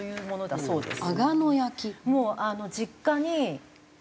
そうですね。